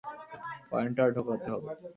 কয়েনটা ঢোকাতে হবে।